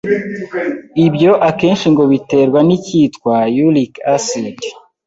ibyo akenshi ngo biterwa n’ikitwa “uric acid”